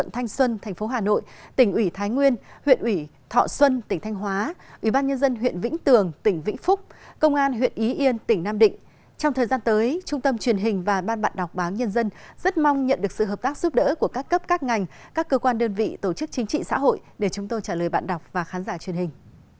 trong thời gian tới trung tâm truyền hình và ban bạn đọc báo nhân dân rất mong nhận được sự hợp tác giúp đỡ của các cấp các ngành các cơ quan đơn vị tổ chức chính trị xã hội để chúng tôi trả lời bạn đọc và khán giả truyền hình